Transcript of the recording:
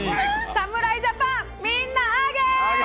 侍ジャパン、みんなあげ！